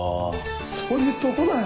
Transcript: そういうとこだよ。